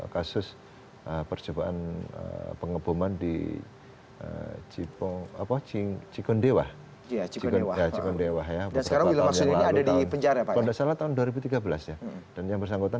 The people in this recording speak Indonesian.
kasus percobaan pengeboman di cipong apa cing cikundewah ya cikundewah cikundewah ya udah